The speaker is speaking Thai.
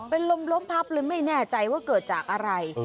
เป็นลมล้มพับเลยไม่แน่ใจว่าเกิดจากอะไร